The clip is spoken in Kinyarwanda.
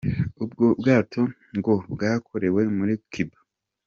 Ubwo bwato ngo bwakorewe muri Cuba.